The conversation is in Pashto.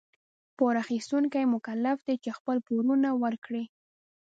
پور اخيستونکي مکلف دي چي خپل پورونه ورکړي.